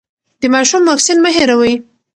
د ماشوم واکسین مه هېروئ.